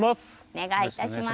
お願いいたします。